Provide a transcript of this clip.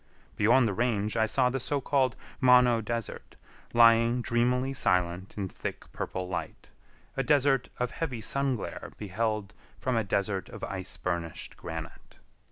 Beyond the range I saw the so called Mono Desert, lying dreamily silent in thick purple light—a desert of heavy sun glare beheld from a desert of ice burnished granite.